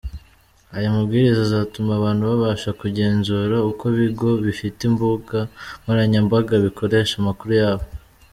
Aya mabwiriza azatuma abantu babasha kugenzura uko ibigo bifite imbuga nkoranyambaga bikoresha amakuru yabo.